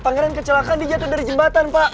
pangeran kecelakaan dijatuh dari jembatan pak